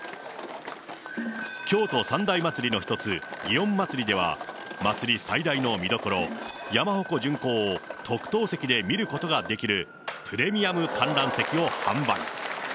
京都三大祭りの一つ、祇園祭では、祭り最大の見どころ、山鉾巡行を特等席で見ることができる、プレミアム観覧席を販売。